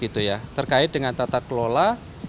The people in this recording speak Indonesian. terkait dengan tata kelola